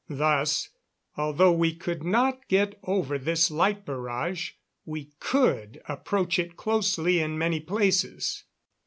Thus, although we could not get over this light barrage, we could approach it closely in many places.